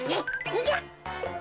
んじゃ。